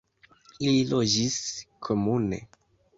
Ili loĝis komune.